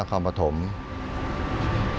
ท่านจะเป็นพระมหาศัตริย์ที่